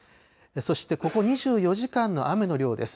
そしてここ２４時間の雨の量です。